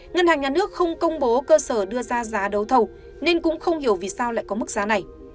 ngân hàng nhà nước không công bố cơ sở đưa ra giá đấu thầu nên cũng không hiểu vì sao lại có mức giá này